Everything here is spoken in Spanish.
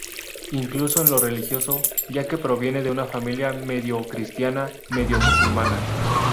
Incluso en lo religioso, ya que proviene de una familia medio cristiana, medio musulmana.